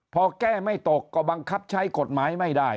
พอแก้ไม่ตกก็บังคับใช้กฎหมายไม่ได้